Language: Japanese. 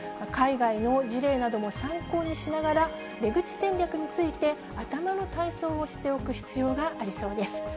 海外の事例なども参考にしながら、出口戦略について頭の体操をしておく必要がありそうです。